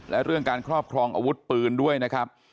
และเรื่องการครอบครองอาวุธปืนด้วยนะครับ